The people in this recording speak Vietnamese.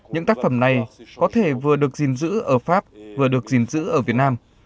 những tác phẩm này có thể vừa được gìn giữ ở pháp vừa được gìn giữ ở việt nam